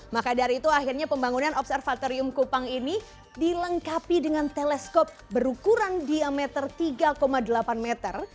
maka dari itu akhirnya pembangunan observatorium kupang ini dilengkapi dengan teleskop berukuran diameter tiga delapan meter